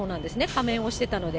仮面をしてたので。